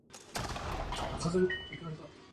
He has also hosted the "China Forum" lecture series.